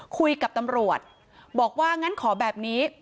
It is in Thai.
คุยกับตำรวจบอกว่างั้นขอแบบนี้